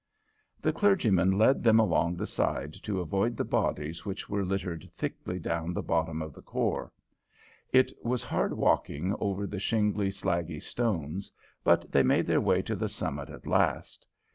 The clergyman led them along the side to avoid the bodies which were littered thickly down the bottom of the khor. It was hard walking over the shingly, slaggy stones, but they made their way to the summit at last.